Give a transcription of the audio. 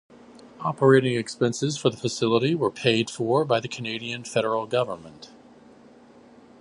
Operating expenses for the facility were paid for by the Canadian Federal Government.